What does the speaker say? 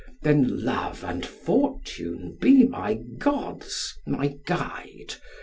'Then Love and Fortune be my gods, my guide!